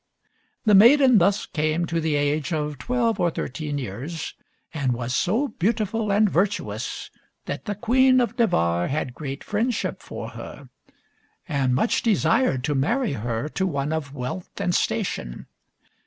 (4) The maiden thus came to the age of twelve or thirteen years, and was so beautiful and virtuous that the Queen of Navarre had great friendship for her, and much desired to marry her to one of wealth and station.